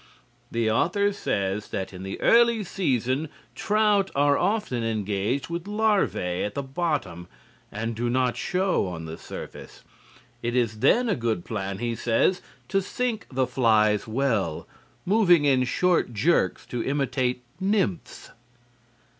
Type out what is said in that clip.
The author says that in the early season trout are often engaged with larvae at the bottom and do not show on the surface. It is then a good plan, he says, to sink the flies well, moving in short jerks to imitate nymphs.